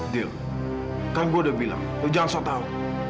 dil kan gua udah bilang lu jangan sok tau